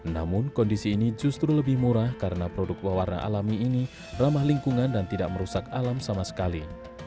namun kondisi ini justru lebih murah karena produk pewarna alami ini ramah lingkungan dan tidak merusak alam sama sekali